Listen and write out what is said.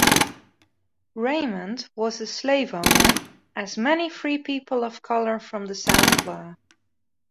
Raimond was a slaveowner, as many free people of color from the South were.